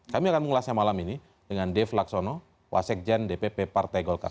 kami akan mengulasnya malam ini dengan dave laksono wasek jan dpp partai golkar